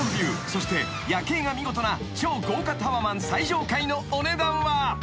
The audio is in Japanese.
そして夜景が見事な超豪華タワマン最上階のお値段は］